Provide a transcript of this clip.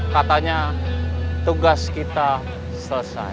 katanya tugas kita selesai